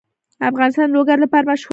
افغانستان د لوگر لپاره مشهور دی.